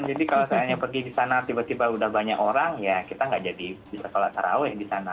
jadi kalau sayangnya pergi di sana tiba tiba sudah banyak orang ya kita tidak jadi bisa salat tarawih di sana